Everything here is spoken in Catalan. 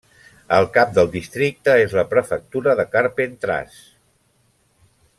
El cap del districte és la prefectura de Carpentràs.